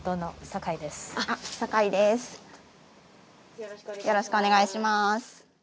よろしくお願いします。